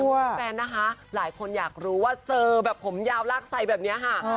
สำหรับแฟนนะคะหลายคนอยากรู้ว่าแซ่แบบผมขึ้นยาวรากไซแบบนี้ครับ